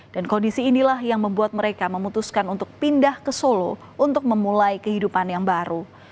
dan kondisi inilah yang membuat mereka memutuskan untuk pindah ke solo untuk memulai kehidupan yang baru